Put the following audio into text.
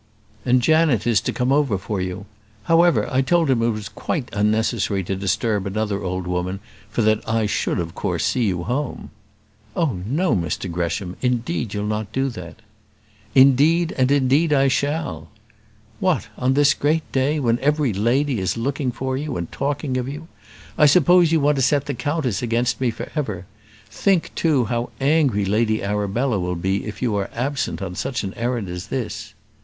"And Janet is to come over for you. However, I told him it was quite unnecessary to disturb another old woman, for that I should of course see you home." "Oh, no, Mr Gresham; indeed you'll not do that." "Indeed, and indeed, I shall." "What! on this great day, when every lady is looking for you, and talking of you. I suppose you want to set the countess against me for ever. Think, too, how angry Lady Arabella will be if you are absent on such an errand as this."